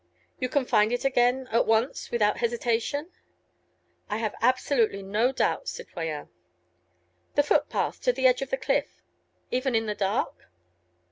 "You can find it again?—at once?—without hesitation?" "I have absolutely no doubt, citoyen." "The footpath, to the edge of the cliff?—Even in the dark?"